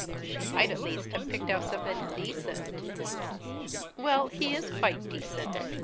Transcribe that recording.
"She might at least have picked out somebody decent!" "Well, he is quite decent.